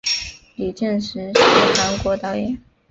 李振石是韩国导演。